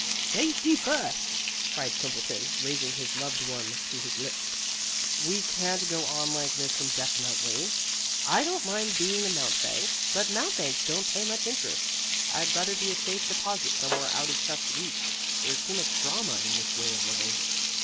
"Safety thirst!" cried Quimbleton, raising his loved one to his lips. "We can't go on like this indefinitely," continued Bleak. "I don't mind being a mountebank, but mountebanks don't pay much interest. I'd rather be a safe deposit somewhere out of Chuff's reach. There's too much drama in this way of living."